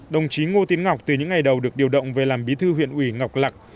đồng chí ngô tiến ngọc từ những ngày đầu được điều động về làm bí thư huyện ủy ngọc lạc